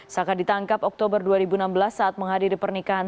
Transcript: saka ditangkap oktober dua ribu enam belas saat menghadiri pernikahan